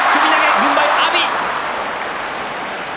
軍配は阿炎。